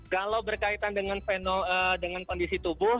kalau berkaitan dengan kondisi tubuh